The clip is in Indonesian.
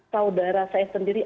saudara saya sendiri